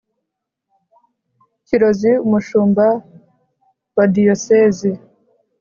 kirozi umushumba wa diyosezi